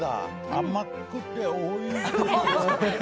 甘くておいしい！